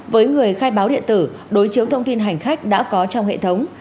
với người khai báo điện tử đối chiếu thông tin hành khách đã có trong hệ thống